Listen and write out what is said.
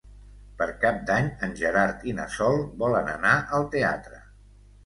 Per Cap d'Any en Gerard i na Sol volen anar al teatre.